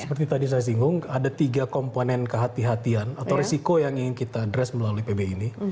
seperti tadi saya singgung ada tiga komponen kehatian atau risiko yang ingin kita dress melalui pb ini